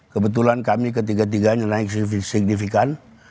kebetulan kami ketiga tiganya naik signifikan